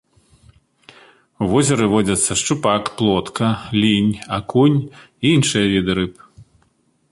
У возеры водзяцца шчупак, плотка, лінь, акунь і іншыя віды рыб.